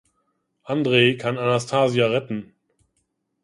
Andrej kann Anastasia retten.